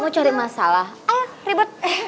mau cari masalah ayo ribut